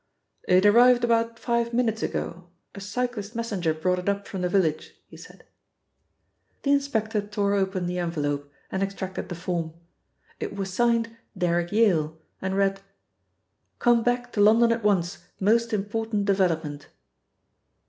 "It arrived about five minutes ago; a cyclist messenger brought it up from the village," he said. The inspector tore open the envelope and extracted the form. It was signed "Derrick Yale," and read: 'Come back to London at once; most important development.'